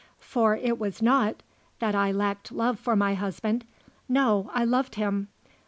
For it was not that I lacked love for my husband. No. I loved him.